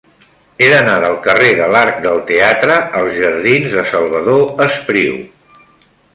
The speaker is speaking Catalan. He d'anar del carrer de l'Arc del Teatre als jardins de Salvador Espriu.